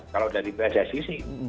kalau dari pihak jasa